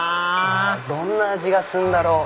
どんな味がするんだろう？